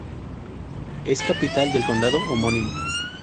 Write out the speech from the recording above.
Es capital del condado homónimo.